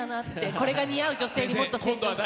これが似合う女性にもっと成長したい。